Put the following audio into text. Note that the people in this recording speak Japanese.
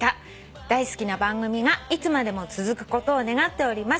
「大好きな番組がいつまでも続くことを願っております。